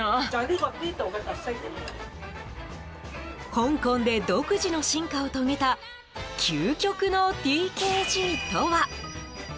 香港で独自の進化を遂げた究極のＴＫＧとは？